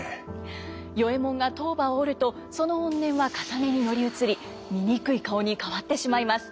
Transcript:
与右衛門が塔婆を折るとその怨念はかさねに乗り移り醜い顔に変わってしまいます。